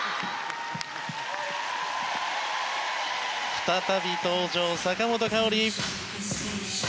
再び登場、坂本花織。